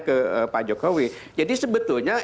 ke pak jokowi jadi sebetulnya